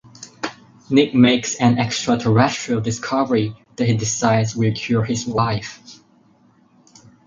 Nick makes an extraterrestrial discovery that he decides will cure his wife.